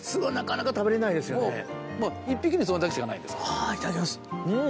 はぁいただきます。